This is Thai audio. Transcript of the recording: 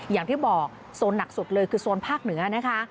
อย่างที่บอกโซนหนักสุดเลยคือโซนภาคเหนือนะคะ